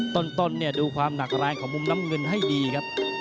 ต้นเนี่ยดูความหนักแรงของมุมน้ำเงินให้ดีครับ